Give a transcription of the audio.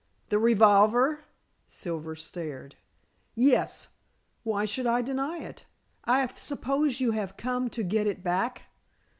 "The revolver?" Silver stared. "Yes, why should I deny it? I suppose you have come to get it back?"